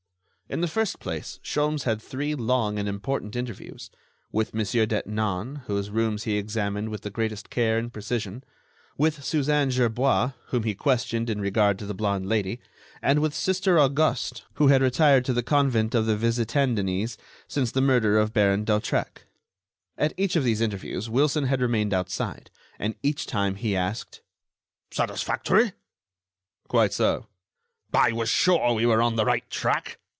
In the first place, Sholmes had three long and important interviews: With Monsieur Detinan, whose rooms he examined with the greatest care and precision; with Suzanne Gerbois, whom he questioned in regard to the blonde Lady; and with Sister Auguste, who had retired to the convent of the Visitandines since the murder of Baron d'Hautrec. At each of these interviews Wilson had remained outside; and each time he asked: "Satisfactory?" "Quite so." "I was sure we were on the right track."